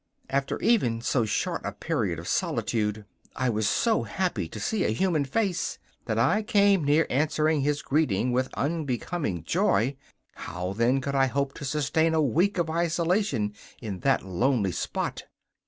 After even so short a period of solitude I was so happy to see a human face that I came near answering his greeting with unbecoming joy. How, then, could I hope to sustain a week of isolation in that lonely spot?